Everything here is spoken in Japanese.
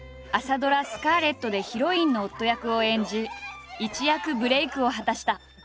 ドラ「スカーレット」でヒロインの夫役を演じ一躍ブレークを果たした。